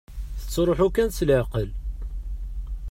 Ttruḥu kan s leɛqel.